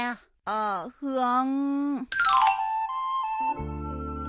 ああ不安。